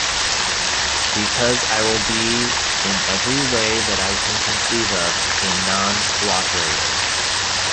Because I will be, in every way that I can conceive of, a non-cooperator.